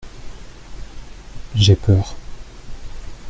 J’ai peur.